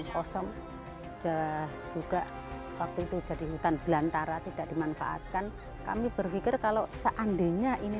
kosong juga waktu itu jadi hutan belantara tidak dimanfaatkan kami berpikir kalau seandainya ini